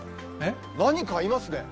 何かいますね。